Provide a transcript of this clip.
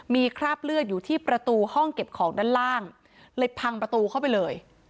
มีคราบเลือดอยู่ที่ประตูห้องเก็บของด้านล่างเลยพังประตูเข้าไปเลย